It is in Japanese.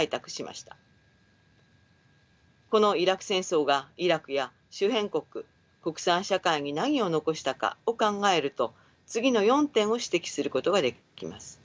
このイラク戦争がイラクや周辺国国際社会に何を残したかを考えると次の４点を指摘することができます。